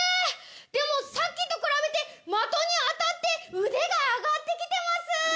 でもさっきと比べて的に当たって腕が上がってきてます。